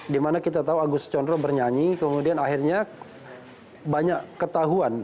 dimana kita tahu agus condro bernyanyi kemudian akhirnya banyak ketahuan